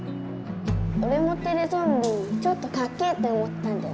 おれもテレゾンビちょっとかっけえって思ってたんだよね。